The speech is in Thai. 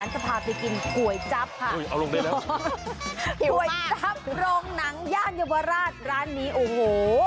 จะพาไปกินก๋วยจั๊บค่ะอุ้ยเอาลงได้แล้วก๋วยจับโรงหนังย่านเยาวราชร้านนี้โอ้โห